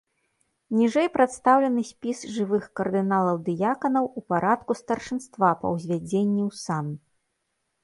Ніжэй прадстаўлены спіс жывых кардыналаў-дыяканаў у парадку старшынства па ўзвядзенні ў сан.